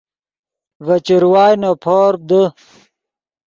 ڤے چروائے نے پورپ دے